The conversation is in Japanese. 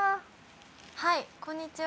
はいこんにちは。